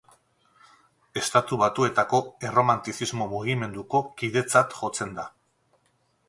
Estatu Batuetako erromantizismo mugimenduko kidetzat jotzen da.